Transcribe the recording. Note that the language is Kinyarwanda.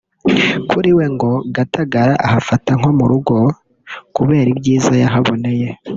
kuri we ngo Gatagara ahafata nko mu rugo kubera ibyiza yahaboneye